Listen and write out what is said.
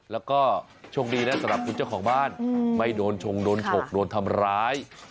แล้วก็ช่องดีสำหรับคุณเจ้าของบ้านไม่โดนโชคโดนคงทำร้าย